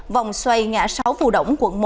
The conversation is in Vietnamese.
vòng xoay ngã sáu phù động quận một